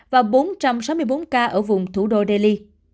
và bốn trăm sáu mươi bốn ca ở vùng thủ đô delhi